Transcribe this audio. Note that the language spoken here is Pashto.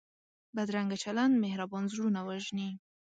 بدرنګه چلند مهربان زړونه وژني